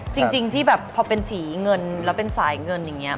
จริงที่แบบพอเป็นสีเงินแล้วเป็นสายเงินอย่างนี้